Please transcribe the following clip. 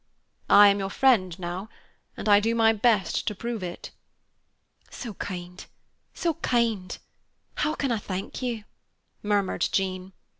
I am your friend, now, and I do my best to prove it." "So kind, so kind! How can I thank you?" murmured Jean.